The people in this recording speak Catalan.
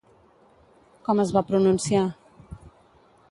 Com es va pronunciar?